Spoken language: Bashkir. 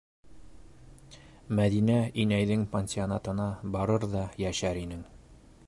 - Мәҙинә инәйҙең пансионатына барыр ҙа йәшәр инең.